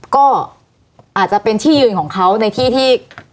ก็อาจจะเป็นที่ยืนของเขาในที่ที่